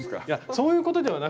そういうことではない。